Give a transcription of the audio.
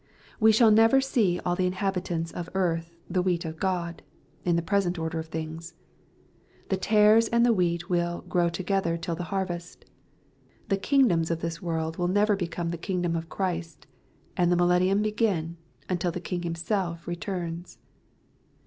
We shall never see all the inhabitants of eailh the wheat of Grod^ in the present order of things. The tares and wheat will "grow together till the harvest." The kingdoms of this world will never become the king dom of Christ, and the millennium begin, until the King Himself returns.